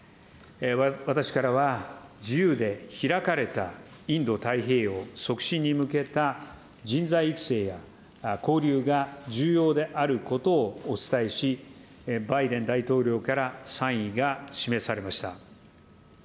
私からは自由で開かれたインド太平洋促進に向けた人材育成や交流が重要であることをお伝えし、バイデン大統領から賛意が示されました。